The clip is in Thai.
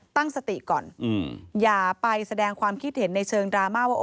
ตั้งสติก่อนอย่าไปแสดงความคิดเห็นในเชิงดราม่าว่า